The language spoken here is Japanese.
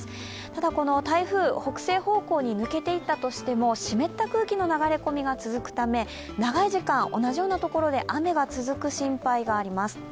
ただ、台風、北西方向に抜けていったとしても、湿った空気の流れ込みが続くため長い時間同じようなところで雨が続く心配があります。